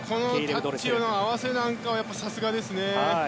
タッチの合わせなんかはさすがですね。